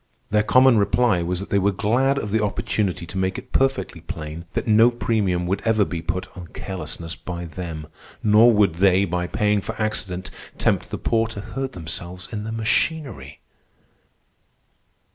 Their common reply was that they were glad of the opportunity to make it perfectly plain that no premium would ever be put on carelessness by them; nor would they, by paying for accident, tempt the poor to hurt themselves in the machinery.